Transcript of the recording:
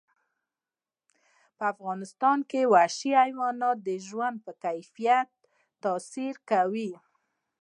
په افغانستان کې وحشي حیوانات د ژوند په کیفیت تاثیر کوي.